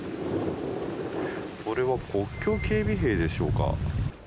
あれは国境警備兵でしょうか。